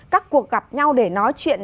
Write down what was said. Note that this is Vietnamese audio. các cuộc gặp nhau để nói chuyện